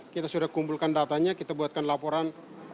kita sudah kumpulkan datanya kita buatkan laporan